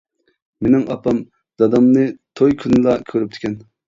مىنىڭ ئاپام دادامنى توي كۈنلا كۆرۈپتىكەن.